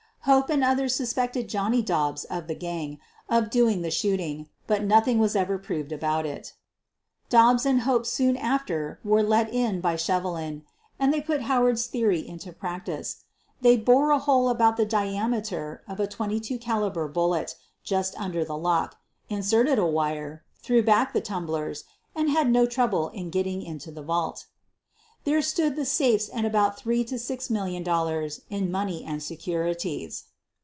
Hope and others suspected Johnny Dobbs, of the gang, of doing the shooting, but nothing was ever proved about it. Dobbs and Hope soon after were let in by Sheve 154 SOPHIE LYONS lin and they put Howard's theory into practice. They bored a hole about the diameter of a 22 eali ber bullet just under the lock, inserted a wire, threw back the tumblers, and had no trouble in getting into the vault. There stood the safes and from three to six mil lion dollars in money and securities.